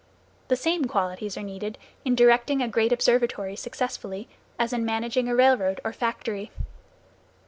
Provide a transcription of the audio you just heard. The same qualities are needed in directing a great observatory successfully, as in managing a railroad, or factory.